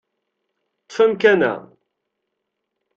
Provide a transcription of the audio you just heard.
Ṭṭef amkan-a.